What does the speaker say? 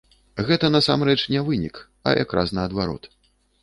Гэта, насамрэч, не вынік, а якраз наадварот.